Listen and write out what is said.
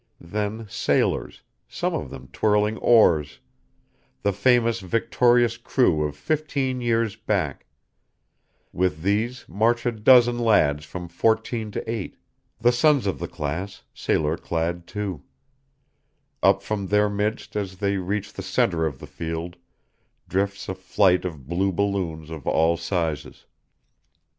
Then sailors, some of them twirling oars the famous victorious crew of fifteen years back; with these march a dozen lads from fourteen to eight, the sons of the class, sailor clad too; up from their midst as they reach the centre of the field drifts a flight of blue balloons of all sizes.